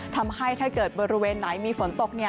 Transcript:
ทำให้ถ้าเกิดบริเวณไหนมีฝนตก